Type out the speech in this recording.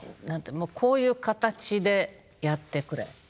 もうこういう形でやってくれ。